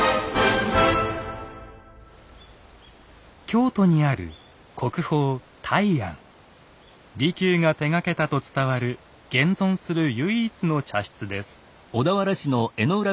京都にある利休が手がけたと伝わる現存する唯一の茶室です。